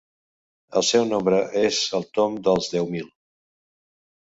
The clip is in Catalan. El seu nombre és al tomb dels deu mil.